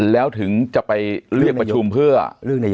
แล้วถึงจะไปเลือกประชุมเพื่อ